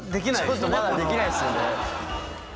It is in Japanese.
ちょっとまだできないですよね。